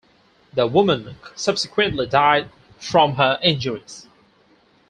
The woman subsequently died from her injuries.